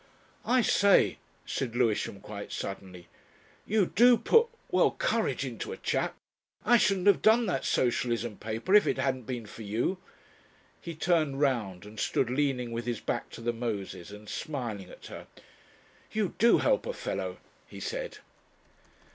"I say," said Lewisham quite suddenly. "You do put well courage into a chap. I shouldn't have done that Socialism paper if it hadn't been for you." He turned round and stood leaning with his back to the Moses, and smiling at her. "You do help a fellow," he said.